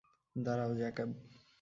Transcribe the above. দাঁড়াও, জ্যাকব!